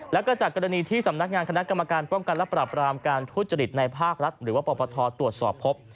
แล้วก็จากกรณีที่สำนักงานคณะกรรมการป้องกันและปรับรามการทุจริตในภาครัฐหรือว่าปปทตรวจสอบพบ